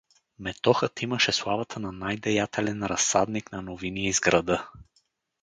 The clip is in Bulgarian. Метохът имаше славата на най-деятелен разсадник на новини из града.